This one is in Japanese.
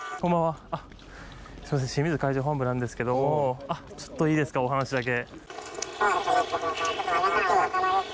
すみません、清水海上保安部なんですけど、ちょっといいですか、お話だけ。